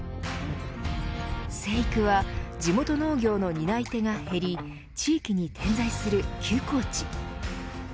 生育は地元農業の担い手が減り地域に点在する休耕地。